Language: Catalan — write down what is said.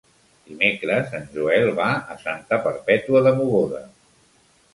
Dimecres en Joel va a Santa Perpètua de Mogoda.